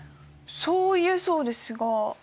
そう言えそうですが。